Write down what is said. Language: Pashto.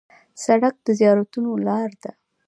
سړک د زیارتونو لار ده.